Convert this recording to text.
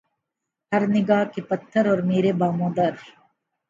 ہر نگاہ کا پتھر اور میرے بام و در